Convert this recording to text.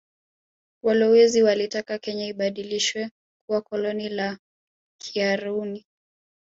Walowezi walitaka Kenya ibadilishwe kuwa koloni la kiarauni